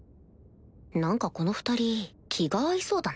何かこの２人気が合いそうだな